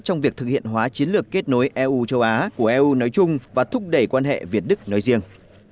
trong việc thực hiện hóa chiến lược kết nối eu châu á của eu nói chung và thúc đẩy quan hệ việt đức nói riêng